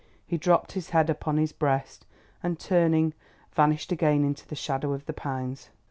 He dropped his head upon his breast and, turning, vanished again into the shadow of the pines.